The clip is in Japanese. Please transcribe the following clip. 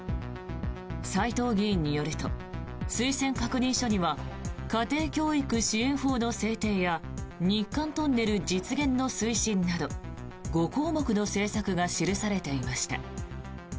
斎藤議員によると推薦確認書には家庭教育支援法の制定や日韓トンネル実現の推進など５項目の政策が記されていました。